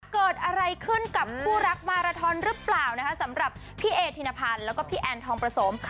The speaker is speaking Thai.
เกิดอะไรขึ้นกับคู่รักมาราทอนหรือเปล่านะคะสำหรับพี่เอธินพันธ์แล้วก็พี่แอนทองประสม